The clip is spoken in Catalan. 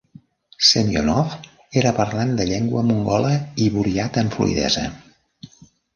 Semyonov era parlant de llengua mongola i buriat amb fluïdesa.